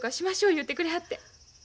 言うてくれはって。